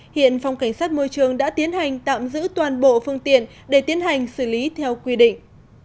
hiện phòng cảnh sát môi trường đã tiến hành tạm giữ toàn bộ phương tiện để tiến hành xử lý theo quy định